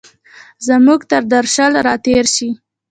زموږ تردرشل، را تېرشي